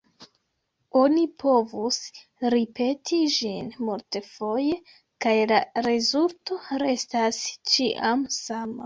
Oni povus ripeti ĝin multfoje, kaj la rezulto restas ĉiam sama.